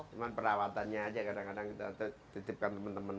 cuma perawatannya aja kadang kadang kita titipkan teman teman